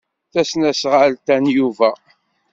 Tasnasɣalt-a n Yuba.